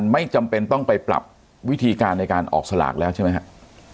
ไม่จำเป็นต้องไปปรับวิธีการในการออกสลากแล้วใช่ไหมครับ